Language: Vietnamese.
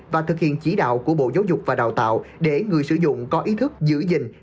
và thực hiện chỉ đạo của bộ giáo dục và đào tạo để người sử dụng có ý thức giữ gìn